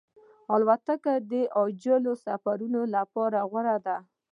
الوتکه د عاجلو سفرونو لپاره غوره ده.